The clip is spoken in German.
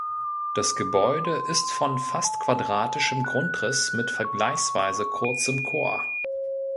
Das Gebäude ist von fast quadratischem Grundriss mit vergleichsweise kurzem Chor.